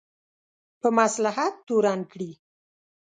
په مصلحت تورن کړي.